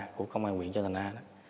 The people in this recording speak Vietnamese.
của công an nguyện châu thành a